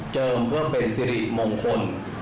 เพื่อเป็นสิริมงคล